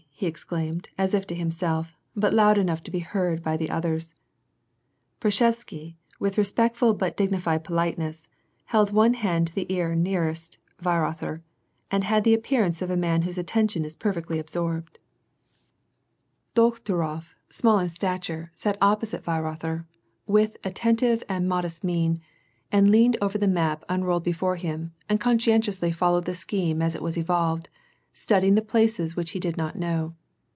^^ he exclaimed, as if to himself, but loud enough to be heard by the others. Prsczebiszewsky, with respectful but dignified politeness, held one hand to the ear nearest Weirother, and had the ap pearance of a man whose attention is perfectly absorbed. WAR AND PEACE. 319 Dokhturof, small in statare, sat opposite Weirother with at tentive and modest mien, and leaned over the map unrolled before him, and conscientiously followed the scheme as it was evolved, studying tlfe places which he did not know.